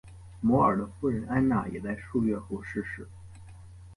摩尔的夫人安娜也在数月后逝世。